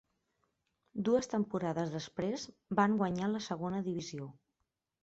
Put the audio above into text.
Dues temporades després van guanyar la Segona Divisió.